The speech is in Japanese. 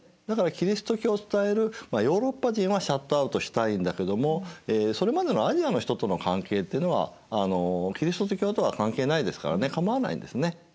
だからキリスト教を伝えるヨーロッパ人はシャットアウトしたいんだけどもそれまでのアジアの人との関係ってのはキリスト教とは関係ないですからねかまわないんですね。